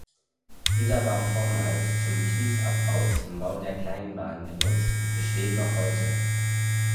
Dieser war vormals zum Kiesabbau zum Bau der Kleinbahn genutzt und besteht noch heute.